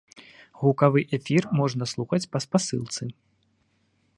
Гукавы эфір можна слухаць па спасылцы.